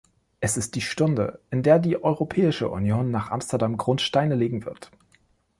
Es ist die Stunde, in der die Europäische Union nach Amsterdam Grundsteine legen wird.